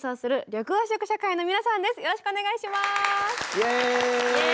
イエーイ！